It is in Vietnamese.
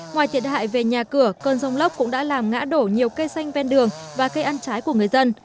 ngoài thiệt hại về nhà cửa cơn rông lốc cũng đã làm ngã đổ nhiều cây xanh ven đường và cây ăn trái của người dân